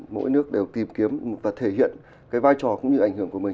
mỗi nước đều tìm kiếm và thể hiện cái vai trò cũng như ảnh hưởng của mình